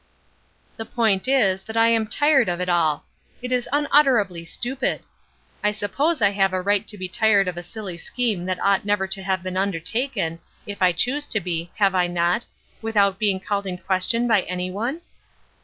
"The point is, that I am tired of it all. It is unutterably stupid! I suppose I have a right to be tired of a silly scheme that ought never to have been undertaken, if I choose to be, have I not, without being called in question by any one?"